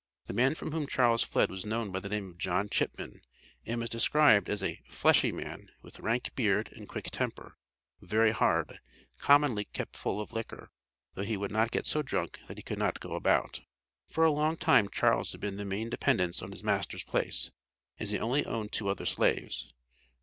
The man from whom Charles fled was known by the name of John Chipman, and was described as "a fleshy man, with rank beard and quick temper, very hard commonly kept full of liquor, though he would not get so drunk that he could not go about." For a long time Charles had been the main dependence on his master's place, as he only owned two other slaves.